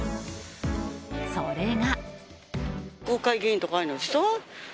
それが。